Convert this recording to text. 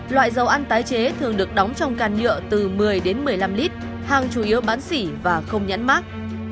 loại dầu ăn tái chế thường được đóng trong càn nhựa từ một mươi đến một mươi năm lít hàng chủ yếu bán xỉ và không nhãn mát